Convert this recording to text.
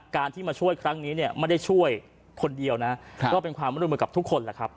การที่มาช่วยครั้งนี้เนี่ยไม่ได้ช่วยคนเดียวนะก็เป็นความร่วมมือกับทุกคนแหละครับ